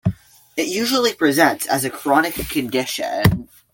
It usually presents as a chronic condition.